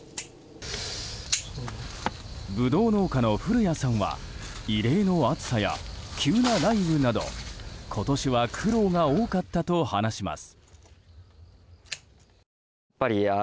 ブドウ農家の古屋さんは異例の暑さや急な雷雨など今年は苦労が多かったと話します。